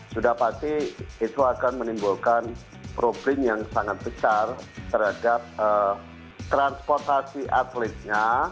sudah pasti itu akan menimbulkan problem yang sangat besar terhadap transportasi atletnya